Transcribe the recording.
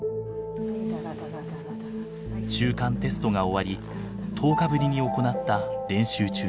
中間テストが終わり１０日ぶりに行った練習中でした。